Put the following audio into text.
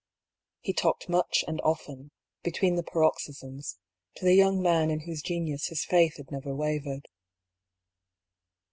He talked much and often, between the paroxysms, to the young man in whose genius his faith had never wavered.